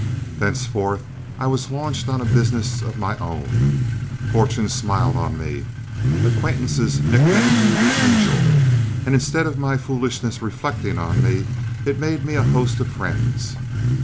Thenceforth I was launched on a business of my own. Fortune smiled on me, acquaintances nicknamed me "The Angel," and instead of my foolishness reflecting on me, it made me a host of friends.